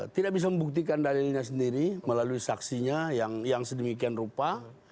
tidak bisa membuktikan dalilnya sendiri melalui saksinya yang sedemikian rupa